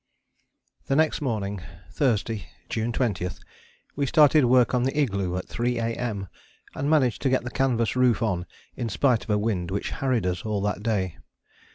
The next morning (Thursday, June 20) we started work on the igloo at 3 A.M. and managed to get the canvas roof on in spite of a wind which harried us all that day.